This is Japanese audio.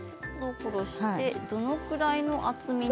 どのぐらいの厚みに？